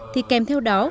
đã kèm theo đó